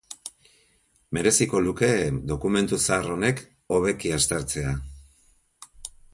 Mereziko luke dokumentu zahar honek hobeki aztertzea.